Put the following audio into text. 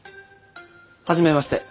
初めまして。